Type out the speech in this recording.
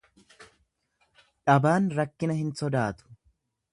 Dhabaan rakkina hin sodaatu.